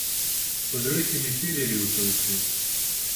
په زړه کې مې ښې ډېرې ورته وکړې.